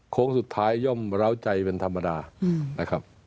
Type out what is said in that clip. โค้งสุดท้ายย่อมร้าวใจเป็นธรรมดานะครับ